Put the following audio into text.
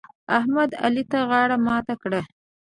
احمد؛ علي ته غاړه ماته کړه.